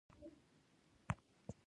د پښتو د ژغورلو لپاره باید ټول متحد شو.